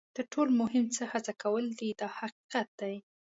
تر ټولو مهم څه هڅه کول دي دا حقیقت دی.